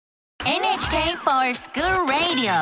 「ＮＨＫｆｏｒＳｃｈｏｏｌＲａｄｉｏ」！